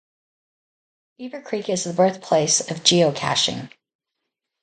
Beavercreek is the birthplace of geocaching.